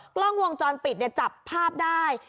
กล้องวงจรปิดจับภาพได้